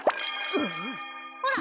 ほら！